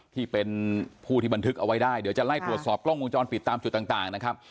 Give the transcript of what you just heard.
ที่เป็นผู้ที่บันทึกเอาไว้ได้เดี๋ยวจะไล่ตรวจสอบกล้องวงจรปิดตามจุดต่างนะครับ